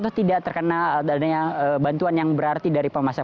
atau tidak terkena bantuan yang berarti dari pemasak